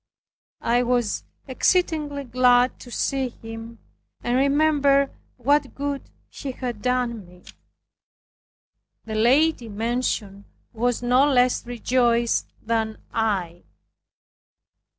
I was exceedingly glad to see him, and remembered what good he had done me. The lady mentioned was no less rejoiced than I.